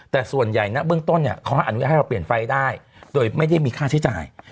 แต่ส่วนใหญ่นะเบื้องต้นเนี่ยเขาอนุญาตให้เราเปลี่ยนไฟได้โดยไม่ได้มีค่าใช้จ่าย